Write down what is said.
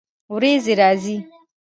ورېځې راځي